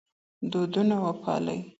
دودونه وپالئ.